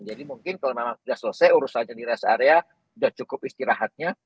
jadi mungkin kalau memang sudah selesai urus saja di rest area sudah cukup istirahatnya